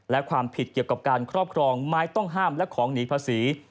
และความผิดเกี่ยวกับการครอบครองไม้ต้องห้ามและของหนีภาษี